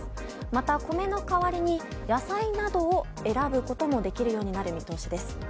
また、米の代わりに野菜などを選ぶこともできるようになる見通しです。